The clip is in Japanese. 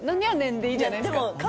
でいいじゃないですか。